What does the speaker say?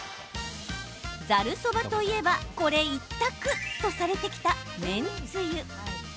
ざるそばといえばこれ一択とされてきためんつゆ。